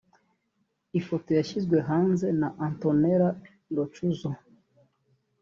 Ifoto yashyizweb hanze na Antonela Roccuzzo